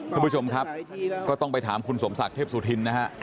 คุณผู้ชมครับก็ต้องไปถามคุณสมศักดิ์เทพสุธินนะฮะ